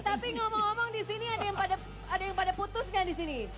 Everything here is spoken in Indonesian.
tapi ngomong ngomong disini ada yang pada putus gak disini